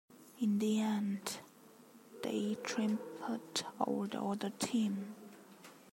In the end, they triumphed over the other team.